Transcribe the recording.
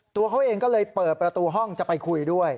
ตัวเขาเองก็เลยเปิดประตูห้องจะไปคุยด้วย